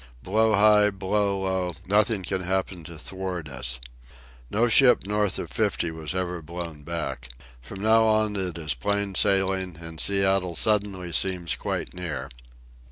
Blow high, blow low, nothing can happen to thwart us. No ship north of 50 was ever blown back. From now on it is plain sailing, and Seattle suddenly seems quite near.